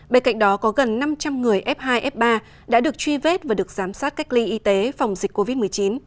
bên cạnh đó có gần năm trăm linh người f hai f ba đã được truy vết và được giám sát cách ly y tế phòng dịch covid một mươi chín